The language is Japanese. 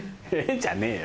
じゃねえよ。